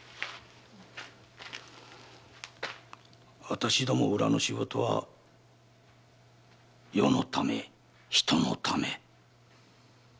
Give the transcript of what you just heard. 私ども裏の仕事は世のため人のため。